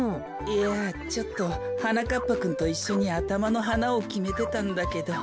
いやちょっとはなかっぱくんといっしょにあたまのはなをきめてたんだけど。